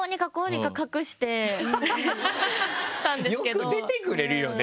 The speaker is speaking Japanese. よく出てくれるよね